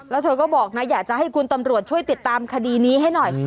แล้วเธอก็บอกนะอยากจะให้คุณตำรวจช่วยติดตามคดีนี้ให้หน่อย